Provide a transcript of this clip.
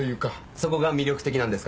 そこが魅力的なんですか？